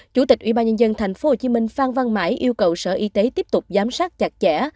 chủ tịch ubnd tp hcm phan văn mãi yêu cầu sở y tế tiếp tục giám sát chặt chẽ